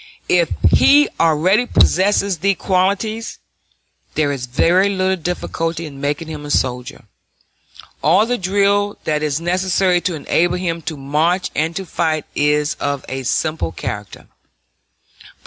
If he already possesses these qualities, there is very little difficulty in making him a soldier; all the drill that is necessary to enable him to march and to fight is of a simple character.